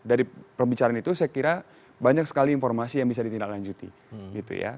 dari pembicaraan itu saya kira banyak sekali informasi yang bisa ditindaklanjuti gitu ya